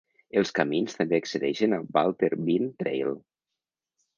Els camins també accedeixen al Walter Bean Trail.